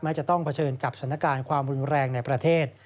จะต้องเผชิญกับสถานการณ์ความรุนแรงในประเทศ